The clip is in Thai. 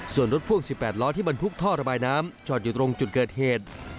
ส่วนรถพ่วง๑๘ล้อที่บรรทุกท่อระบายน้ำจอดอยู่ตรงจุดเกิดเหตุ